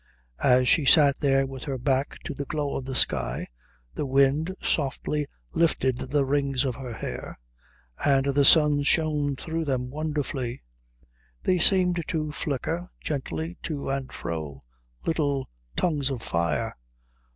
As she sat there with her back to the glow of the sky, the wind softly lifted the rings of her hair and the sun shone through them wonderfully. They seemed to flicker gently to and fro, little tongues of fire.